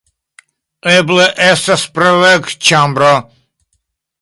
Eble estas preleg-ĉambro